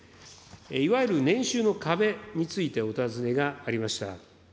いわゆる年収の壁についてお尋ねがありました。